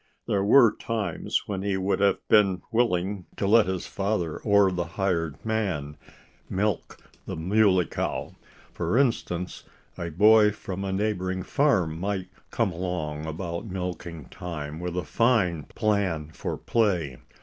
There were times when he would have been willing to let his father, or the hired man, milk the Muley Cow. For instance, a boy from a neighboring farm might come along about milking time with a fine plan for play.